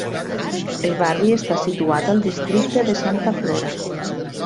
El barri està situat al districte de Santa Flora.